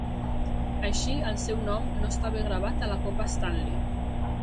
Així, el seu nom no estava gravat a la Copa Stanley.